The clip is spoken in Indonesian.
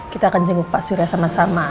kita akan jenguk pak suri sama sama